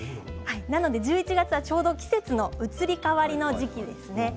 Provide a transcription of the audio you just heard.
なので１１月はちょうど季節の移り変わりの時期ですね。